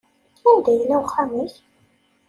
Anda yella uxxam-ik?